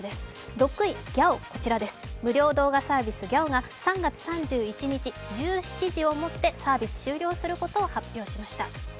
６位、無料動画サービスＧＹＡＯ！が３月３１日、１７時をもってサービスを終了することを発表しました。